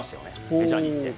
メジャーに行って。